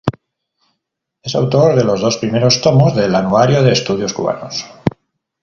Es autor de los dos primeros tomos del Anuario de Estudios Cubanos.